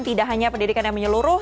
tidak hanya pendidikan yang menyeluruh